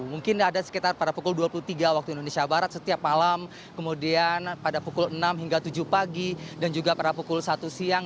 mungkin ada sekitar pada pukul dua puluh tiga waktu indonesia barat setiap malam kemudian pada pukul enam hingga tujuh pagi dan juga pada pukul satu siang